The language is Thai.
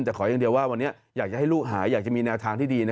แต่ขออย่างเดียวว่าวันนี้อยากจะให้ลูกหายอยากจะมีแนวทางที่ดี